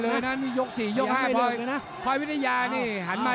หรือว่าผู้สุดท้ายมีสิงคลอยวิทยาหมูสะพานใหม่